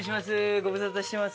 ご無沙汰してます。